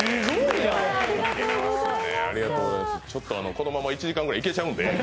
このまま１時間ぐらいいけちゃうんで。